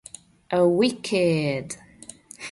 A Wicked!